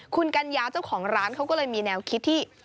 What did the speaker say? คุณกัญญาเจ้าของร้านเขาก็เลยมีแนวคิดที่